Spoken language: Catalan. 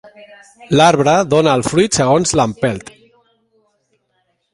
L'arbre dóna el fruit segons l'empelt.